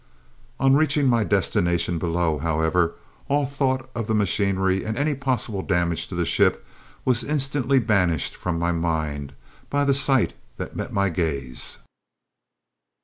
On reaching my destination below, however, all thought of the machinery and any possible damage to the ship was instantly banished from my mind by the sight that met my gaze.